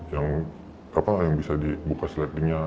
yang apa yang bisa dibuka selettingnya